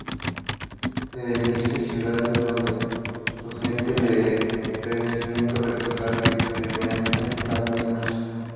Se eligen ciudades donde se geste el crecimiento vertical que experimenten las mismas.